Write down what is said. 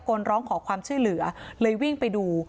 ร้องขอความช่วยเหลือเลยวิ่งไปดู